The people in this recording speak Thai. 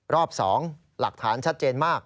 รอบ๒หลักฐานชัดเจนมาก